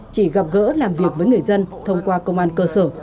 chỉ gặp gỡ làm việc với người dân thông qua công an cơ sở